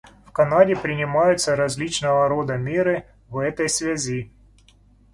В Канаде принимаются различного рода меры в этой связи.